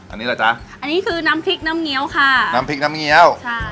อันนี้แหละจ๊ะอันนี้คือน้ำพริกน้ำเงี้ยวค่ะน้ำพริกน้ำเงี้ยวใช่